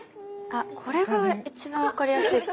これが一番分かりやすいかな。